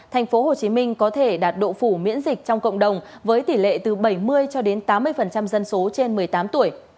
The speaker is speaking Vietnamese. tp hcm có thể đạt độ phủ miễn dịch trong cộng đồng với tỷ lệ từ bảy mươi cho đến tám mươi dân số trên một mươi tám tuổi